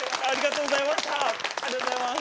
ありがとうございます。